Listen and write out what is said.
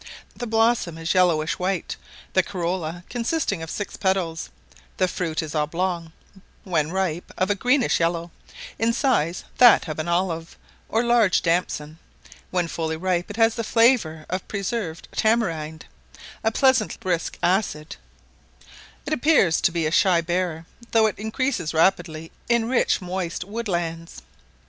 The blossom is yellowish white, the corolla consisting of six petals; the fruit is oblong; when ripe, of a greenish yellow; in size that of an olive, or large damson; when fully ripe it has the flavour of preserved tamarind, a pleasant brisk acid; it appears to be a shy bearer, though it increases rapidly in rich moist woodlands.